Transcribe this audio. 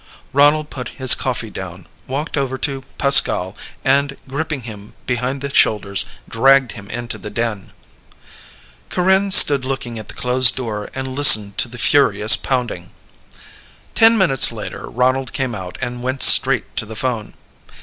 Ronald put his coffee down, walked over to Pascal, and, gripping him behind the shoulders, dragged him into the den. Corinne stood looking at the closed door and listened to the furious pounding. Ten minutes later Ronald came out and went straight to the phone.